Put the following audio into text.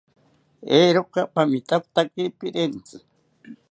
Eeroka pamitakotakiri pirentzi